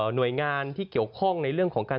หน่วยงานที่เกี่ยวข้องในเรื่องของการ